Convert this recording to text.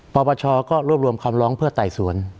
ปปชก็รวบรวมคำร้องเพื่อไต่สวน